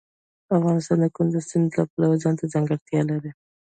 افغانستان د کندز سیند د پلوه ځانته ځانګړتیا لري.